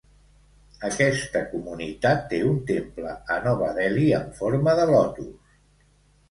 Aquesta comunitat té un temple a Nova Delhi amb forma de lotus.